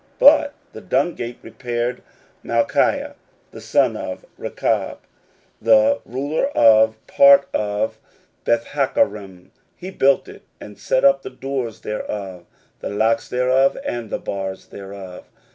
16:003:014 But the dung gate repaired Malchiah the son of Rechab, the ruler of part of Bethhaccerem; he built it, and set up the doors thereof, the locks thereof, and the bars thereof.